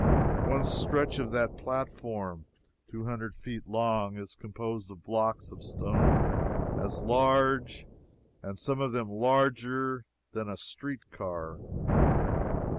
One stretch of that platform, two hundred feet long, is composed of blocks of stone as large, and some of them larger, than a street car.